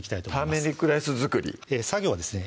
ターメリックライス作り作業はですね